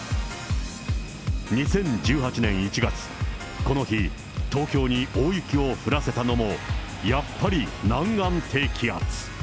２０１８年１月、この日、東京に大雪を降らせたのも、やっぱり南岸低気圧。